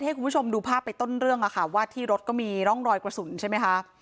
ให้คุณผู้ชมดูภาพไปต้นเรื่องว่าที่รถก็มีร่องรอยกระสุนใช่ไหมคะ